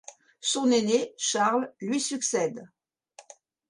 Son aîné, Charles lui succède.